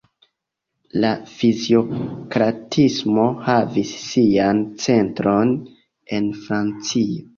La fiziokratismo havis sian centron en Francio.